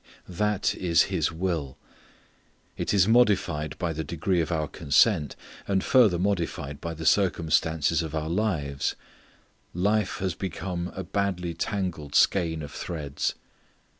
That is His will. It is modified by the degree of our consent, and further modified by the circumstances of our lives. Life has become a badly tangled skein of threads.